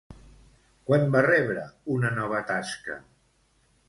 Quan va rebre una nova tasca?